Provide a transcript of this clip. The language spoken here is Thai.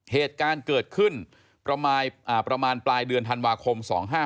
เหตุการณ์เกิดขึ้นประมาณปลายเดือนธันวาคม๒๕๕๙